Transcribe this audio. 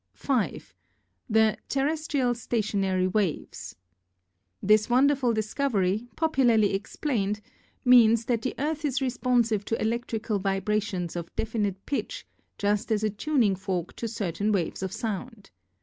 "5. The terrestial Stationary Waves." This wonderful discovery, popularly explained, means that the Earth is responsive to electrical vibrations of definite pitch just as a tuning fork to certain waves of sound.